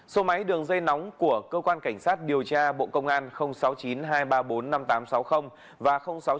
số máy đường dây nóng của cơ quan cảnh sát điều tra bộ công an sáu mươi chín hai trăm ba mươi bốn năm nghìn tám trăm sáu mươi và sáu mươi chín hai trăm ba mươi một một nghìn sáu trăm